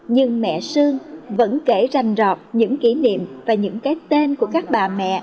nhưng mẹ sương vẫn kể rành rọt những kỷ niệm và những cái tên của các bà mẹ